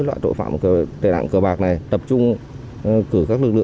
với loại tội phạm tệ nạn cờ bạc này